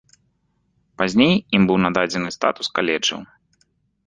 Пазней ім быў нададзены статус каледжаў.